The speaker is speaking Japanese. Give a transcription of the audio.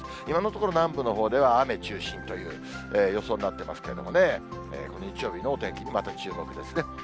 今のところ、南部のほうでは雨中心という予想になってますけどもね、日曜日のお天気にまた注目ですね。